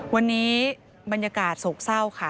วันนี้บรรยากาศโศกเศร้าค่ะ